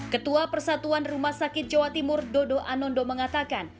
ketua persatuan rumah sakit jawa timur dodo anondo mengatakan